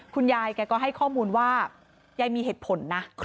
คุณยายแกก็ให้ข้อมูลว่ายายมีเหตุผลนะ